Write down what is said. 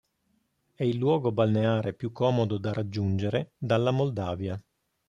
È il luogo balneare più comodo da raggiungere dalla Moldavia.